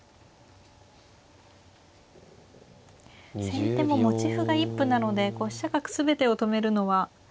先手も持ち歩が一歩なので飛車角全てを止めるのは。